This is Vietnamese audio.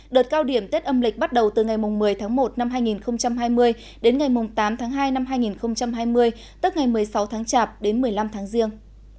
đợt cao điểm tết âm lịch bắt đầu từ ngày một mươi tháng một năm hai nghìn hai mươi đến ngày tám tháng hai năm hai nghìn hai mươi tức ngày một mươi sáu tháng chạp đến một mươi năm tháng riêng